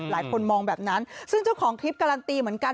หลายคนมองแบบนั้นซึ่งเจ้าของคลิปการันตีเหมือนกัน